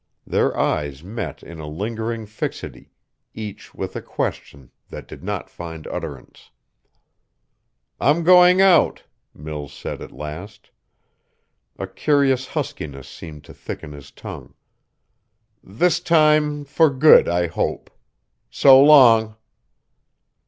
Their eyes met in a lingering fixity, each with a question that did not find utterance. "I'm going out," Mills said at last. A curious huskiness seemed to thicken his tongue. "This time for good, I hope. So long."